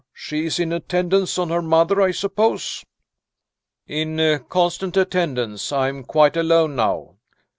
She is in attendance on her mother, I suppose?" "In constant attendance; I am quite alone now.